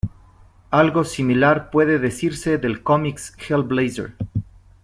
Algo similar puede decirse del comics Hellblazer.